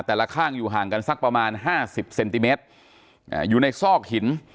ข้างอยู่ห่างกันสักประมาณห้าสิบเซนติเมตรอ่าอยู่ในซอกหิน